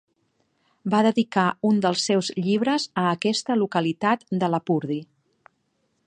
Va dedicar un dels seus llibres a aquesta localitat de Lapurdi.